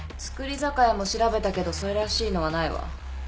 造り酒屋も調べたけどそれらしいのはないわ。